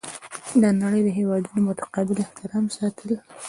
دا د نړۍ د هیوادونو متقابل احترام ساتل دي.